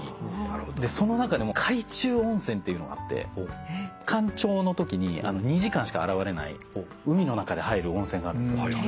その中でも海中温泉っていうのがあって干潮のときに２時間しか現れない海の中で入る温泉があるんですよ。